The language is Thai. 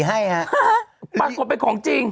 ปลากลบเป็นของจริง